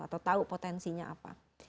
atau tahu potensinya apa